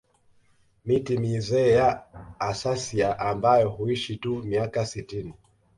Miti mizee ya Acacia ambayo huishi tu miaka sitini